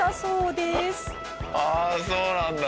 ああそうなんだ。